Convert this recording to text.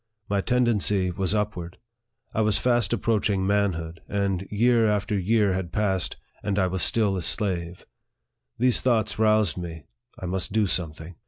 My tendency was upward. I was fast approaching manhood, and year after year had passed, and I was still a slave. These thoughts roused me I must do something.